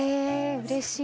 うれしい。